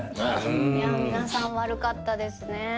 いや皆さん悪かったですね。